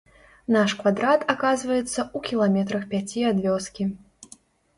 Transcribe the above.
Наш квадрат аказваецца ў кіламетрах пяці ад вёскі.